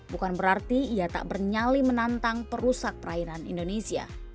bukan berarti ia tak bernyali menantang perusak perairan indonesia